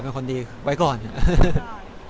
แต่ว่าตอนนี้ก็ยังส่วนสนิทนะ